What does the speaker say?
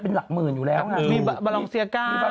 โดนไปเป็นแสะหลายแสนอะ